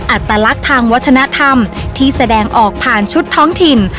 อัตลักษณ์ทางวัฒนธรรมที่แสดงออกผ่านชุดท้องถิ่น